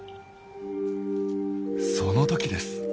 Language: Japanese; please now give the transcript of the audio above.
その時です！